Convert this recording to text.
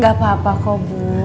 gak apa apa kok bu